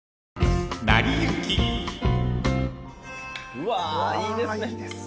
うわいいですね。